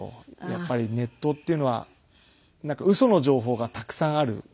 やっぱりネットっていうのはウソの情報がたくさんある。